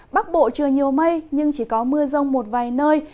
bắc bộ trời nhiều mây nhưng chỉ có mưa rông một vài nơi